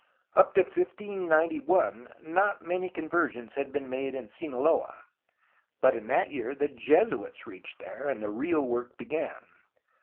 Up to 1591 not many conversions had been made in Sinaloa, but in that year the Jesuits reached there, and the real work began.